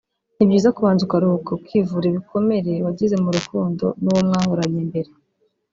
ni byiza kubanza ukaruhuka ukivura ibikomere wagize mu rukundo n’uwo mwahoranye mbere